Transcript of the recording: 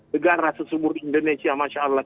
negara sesungguh indonesia masya allah